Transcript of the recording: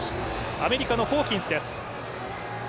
アメリカのホーキンスです。